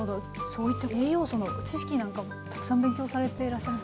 そういった栄養素の知識なんかもたくさん勉強されてらっしゃる？